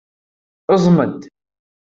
Aẓem-d!